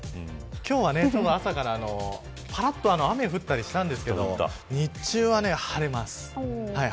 今日は朝からぱらっと雨が降ったりしましたが日中は晴れます。